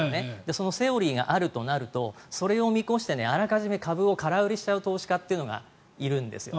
そのセオリーがあるとなるとそれを見越してあらかじめ株を空売りしちゃう投資家がいるんですよ。